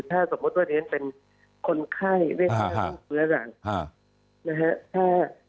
ถ้าสมมติว่านี้เป็นคนไข้เรื่องห้องเมื้อรังนะฮะ